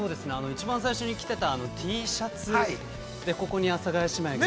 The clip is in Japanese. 一番最初に着ていたＴシャツ、ここに阿佐ヶ谷姉妹。